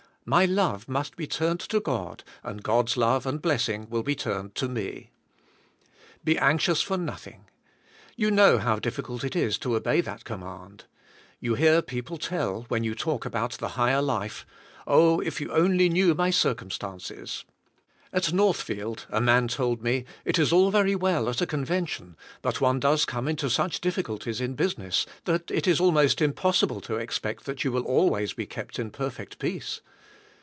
My love must be turned to God and God's love and blessing will be turned to me. Be anxious for nothing. You know how difficult it is to obey that command. You hear people tell, when you talk about the higher life, "Oh, if you only knew I^HK tlFK OF R^S'f. 2^3 my circumstances." At Northfield a man told me, "It is all very well at a convention, but one does come into such difficulties in business that it is al most impossible to expect that you will always be kept in perfect peace."